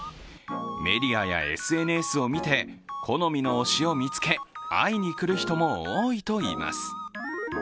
メディアやＳＮＳを見て好みの推しを見つけ、会いに来る人も多いといいます。